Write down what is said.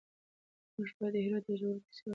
موږ بايد د هرات د جګړو کيسې خپلو ماشومانو ته وکړو.